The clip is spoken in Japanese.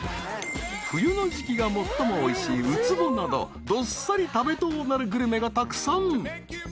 ［冬の時季が最もおいしいウツボなどどっさり食べとうなるグルメがたくさん］